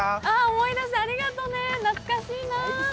思い出した、ありがとね、懐かしいな。